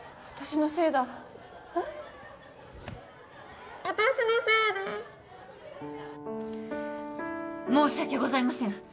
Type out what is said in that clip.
私のせいで申し訳ございません